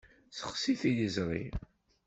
Sexsi tiliẓṛi.